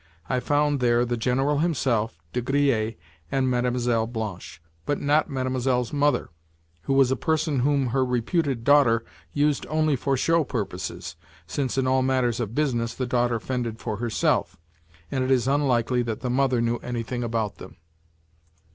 I found there the General himself, De Griers, and Mlle. Blanche, but not Mlle.'s mother, who was a person whom her reputed daughter used only for show purposes, since in all matters of business the daughter fended for herself, and it is unlikely that the mother knew anything about them.